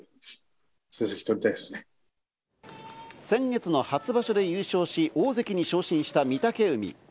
先月の初場所で優勝し、大関に昇進した御嶽海。